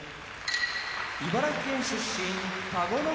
茨城県出身田子ノ浦